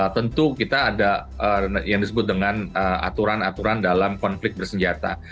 tentu kita ada yang disebut dengan aturan aturan dalam konflik bersenjata